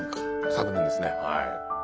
昨年ですねはい。